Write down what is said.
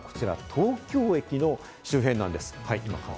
東京駅の周辺なんです。